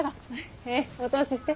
えぇお通しして。